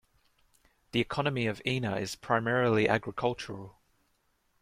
The economy of Ina is primarily agricultural.